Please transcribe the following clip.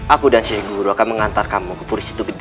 aku dan sheikh guru akan mengantar kamu ke polisi itu gede